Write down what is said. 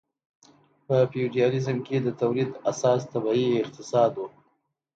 په فیوډالیزم کې د تولید اساس طبیعي اقتصاد و.